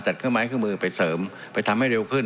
เครื่องไม้เครื่องมือไปเสริมไปทำให้เร็วขึ้น